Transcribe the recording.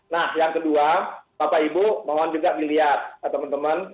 nah yang kedua bapak ibu mohon juga dilihat teman teman